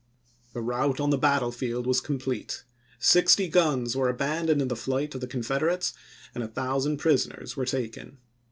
The rout on the battlefield was complete ; sixty lsek. ' guns were abandoned in the flight of the Confed erates, and a thousand prisoners were taken.